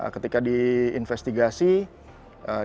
ketika diinvestigasi dibongkar